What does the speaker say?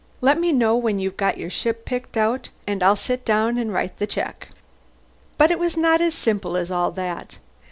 Let me know when you've got your ship picked out and I'll sit down and write the check." But it was not as simple as all that.